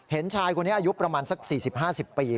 ชายคนนี้อายุประมาณสัก๔๐๕๐ปี